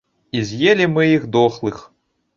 І з'елі мы іх дохлых.